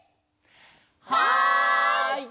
はい！